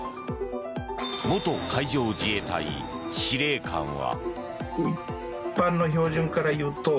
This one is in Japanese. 元海上自衛隊司令官は。